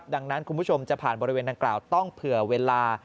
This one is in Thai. ดังนั้นคุณผู้ชมจะผ่านบริเวณดังกล่าวต้องเผื่อเวลา